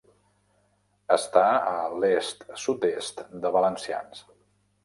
Està a l'est-sud-est de Valenciennes.